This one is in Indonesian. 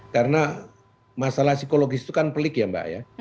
karena masalah psikologis itu kan pelik ya mbak ya